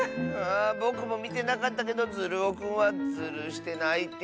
ぼくもみてなかったけどズルオくんはズルしてないっていうし。